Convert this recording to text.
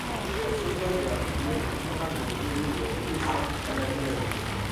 La surface de la rivière est généralement gelée de la mi-décembre à la mi-avril.